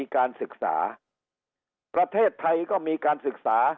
เขามีการศึกษา